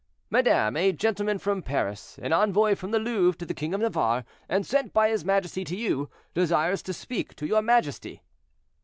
"Madame, a gentleman from Paris, an envoy from the Louvre to the king of Navarre, and sent by his majesty to you, desires to speak to your majesty."